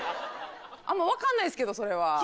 あんま分かんないですけどそれは。